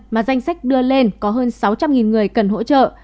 mà danh sách đưa lên có hơn sáu trăm linh người cần hỗ trợ